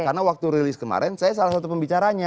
karena waktu rilis kemarin saya salah satu pembicaranya